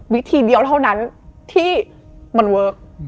วิธีเดียวเท่านั้นที่มันเวิร์ค